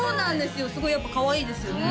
すごいやっぱかわいいですよね